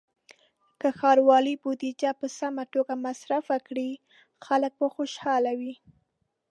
که ښاروالۍ بودیجه په سمه توګه مصرف کړي، خلک به خوشحاله وي.